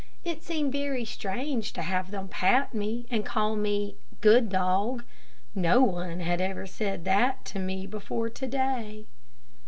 It seemed very strange to have them pat me, and call me "good dog." No one had ever said that to me before to day.